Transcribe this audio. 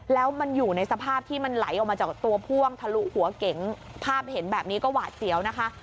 แล้วมันอยู่ในสภาพที่มันไหลออกมาจากตัวพ่วงทะลุหัวเก๋งภาพเห็นแบบนี้ก็หวาดเสียวนะคะ